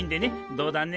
どうだね？